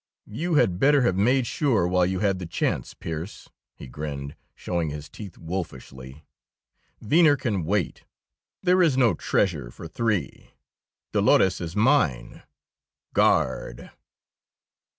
"You had better have made sure while you had the chance, Pearse," he grinned, showing his teeth wolfishly. "Venner can wait. There is no treasure for three; Dolores is mine! Guard!"